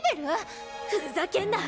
⁉ふざけんな！